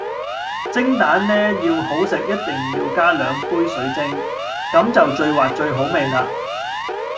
蒸蛋呢要好食一定要加兩杯水蒸，咁就最滑最好味喇